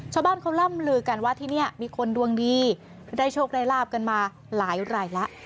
ชาวบ้านเขาล่ำลือกันว่าที่นี่มีคนดวงดีได้โชคได้ลาบกันมาหลายละ